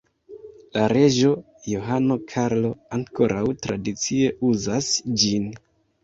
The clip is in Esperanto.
La reĝo Johano Karlo ankoraŭ tradicie uzas ĝin.